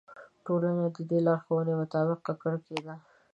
ټولنه د دې لارښوونو مطابق ککړه کېده.